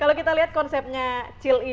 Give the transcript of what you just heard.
kalau kita lihat konsepnya chill ini